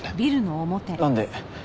なんで？